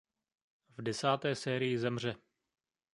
V desáté sérii zemře.